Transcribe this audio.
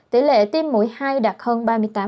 tỷ lệ tiêm mũi hai đạt hơn ba mươi tám